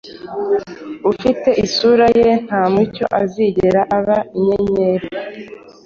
Ufite isura ye nta mucyo azigera aba inyenyeri.